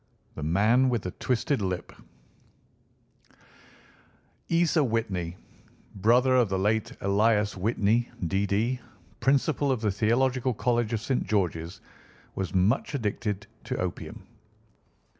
THE MAN WITH THE TWISTED LIP Isa Whitney, brother of the late Elias Whitney, D.D., Principal of the Theological College of St. George's, was much addicted to opium.